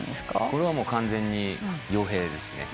これは完全に洋平ですね。